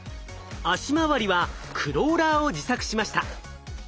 足まわりはクローラーを自作しました。